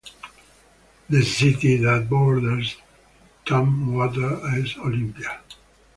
The city that borders Tumwater is Olympia.